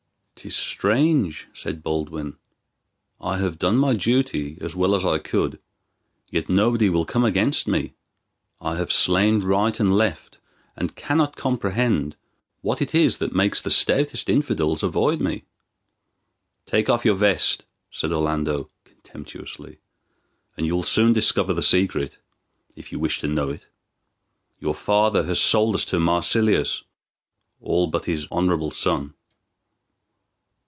"'Tis strange," said Baldwin, "I have done my duty as well as I could, yet nobody will come against me. I have slain right and left, and cannot comprehend what it is that makes the stoutest infidels avoid me." "Take off your vest," said Orlando, contemptuously, "and you will soon discover the secret, if you wish to know it. Your father has sold us to Marsilius, all but his honorable son."